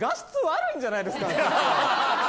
んじゃないですか？